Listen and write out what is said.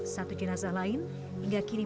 satu jenazah lain hingga kini